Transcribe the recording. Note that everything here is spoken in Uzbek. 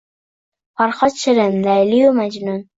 Farhod-Shirin, Layli-yu Majnun